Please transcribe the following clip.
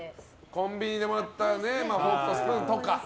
コンビニでもらったフォークとスプーンとか。